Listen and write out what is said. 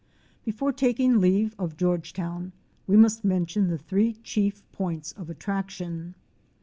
Before taking leave of Georgetown we must mention the three chief points of attraction.